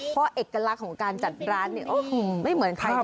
เพราะเอกลักษณ์ของการจัดร้านเนี่ยไม่เหมือนใคร